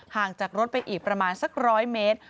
ห่างจากรถไปอีกประมาณสัก๑๐๐เมตร